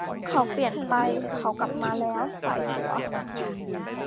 เขาเปลี่ยนไปเขากลับมาแล้วส่ายหัว